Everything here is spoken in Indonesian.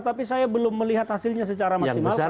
tapi saya belum melihat hasilnya secara maksimal